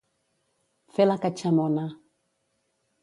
Fer la catxamona.